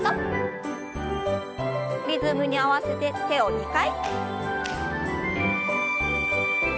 リズムに合わせて手を２回。